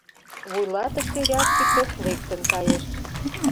Вуйлатыше Рябчиков лектын кайыш.